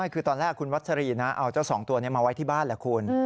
คือตอนแรกคุณวัชรีนะเอาเจ้าสองตัวนี้มาไว้ที่บ้านแหละคุณ